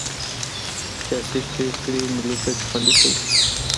سیاسي پرېکړې ملي ګټې خوندي کوي